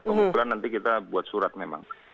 kebetulan nanti kita buat surat memang